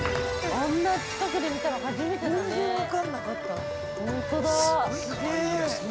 あんな近くで見たの、初めてだね。